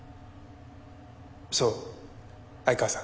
そう相川さん